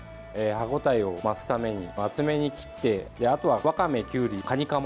歯応えを増すために厚めに切ってあとは、わかめ、きゅうりカニカマ。